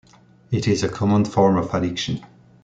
It is a common form of addiction.